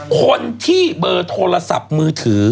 คนที่เบอร์โทรศัพท์มือถือ